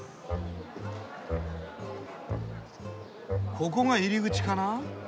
ここが入り口かな？